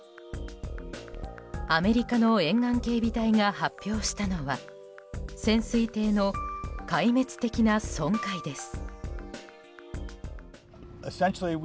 アメリカの沿岸警備隊が発表したのは潜水艇の壊滅的な損壊です。